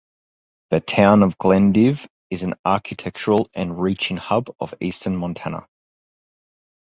The town of Glendive is an agricultural and ranching hub of eastern Montana.